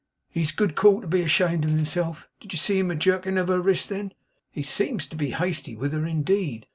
'He's good call to be ashamed of himself. Did you see him a jerking of her wrist, then?' 'He seems to be hasty with her, indeed.